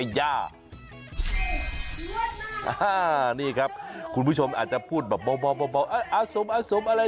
ให้รวบมาอะนี่ครับคุณผู้ชมอาจจะพูดบ่าอาสมอะไรรึเปล่า